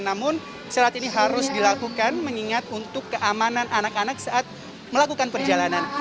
namun selat ini harus dilakukan mengingat untuk keamanan anak anak saat melakukan perjalanan